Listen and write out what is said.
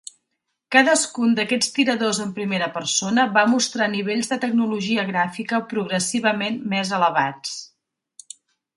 Cadascun d'aquests tiradors en primera persona va mostrar nivells de tecnologia gràfica progressivament més elevats.